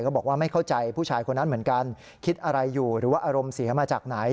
บอกว่าไม่เข้าใจผู้ชายคนนั้นเหมือนกันคิดอะไรอยู่หรือว่าอารมณ์เสียมาจากไหน